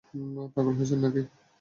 পাগল হইছেন নাকি?